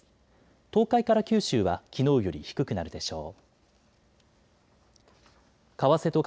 東海から九州はきのうより低くなるでしょう。